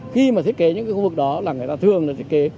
khi mà thiết kế những cái khu vực đó là người ta thường được thiết kế